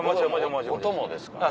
お供ですからね。